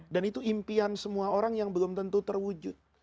dan itu impian semua orang yang belum tentu terwujud